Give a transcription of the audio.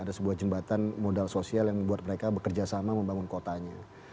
ada sebuah jembatan modal sosial yang membuat mereka bekerja sama membangun kotanya